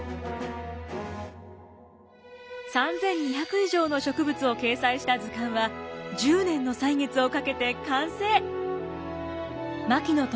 ３，２００以上の植物を掲載した図鑑は１０年の歳月をかけて完成。